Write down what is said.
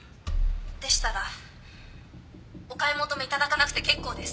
でしたらお買い求めいただかなくて結構です。